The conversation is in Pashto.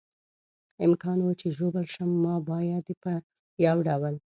امکان و، چې ژوبل شم، ما باید په یو ډول.